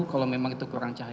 kalau memang itu kurang cahaya